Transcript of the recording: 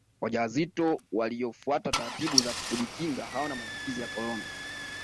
wajawazito waliyofuata taratibu za kujikinga hawana maambukizi ya korona